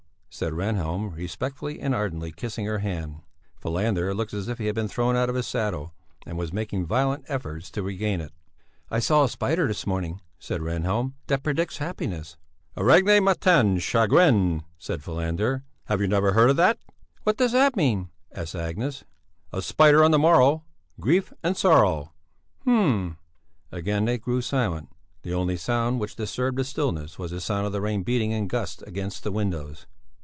said Rehnhjelm, respectfully and ardently kissing her hand. Falander looked as if he had been thrown out of his saddle, and was making violent efforts to regain it. "I saw a spider this morning," said Rehnhjelm, "that predicts happiness." "Araignée matin: chagrin," said Falander. "Have you never heard that?" "What does that mean?" asked Agnes. "A spider on the morrow: grief and sorrow." "Hm!" Again they grew silent. The only sound which disturbed the stillness was the sound of the rain beating in gusts against the windows.